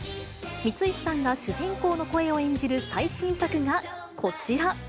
三石さんが主人公の声を演じる最新作がこちら。